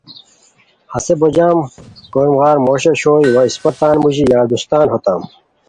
ہسے بو جم کوروم غار موش اوشوئے وا اِسپہ تان موژی یار دوستان ہوتام